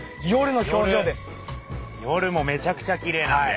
夜もめちゃくちゃ奇麗なんで。